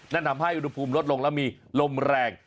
นั่นทำให้อุณหภูมิลดลงแล้วมีลมแรง